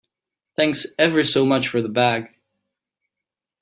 Thanks ever so much for the bag.